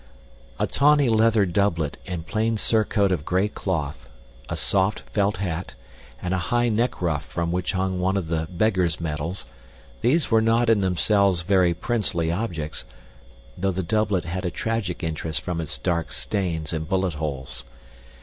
A tawny leather doublet and plain surcoat of gray cloth, a soft felt hat, and a high neck ruff from which hung one of the "Beggars'" medals these were not in themselves very princely objects, though the doublet had a tragic interest from its dark stains and bullet holes.